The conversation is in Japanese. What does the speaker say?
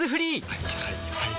はいはいはいはい。